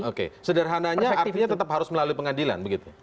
oke sederhananya artinya tetap harus melalui pengadilan begitu